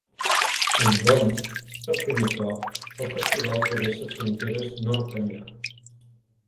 Enguany, per primer cop, el festival travessa fronteres nord enllà.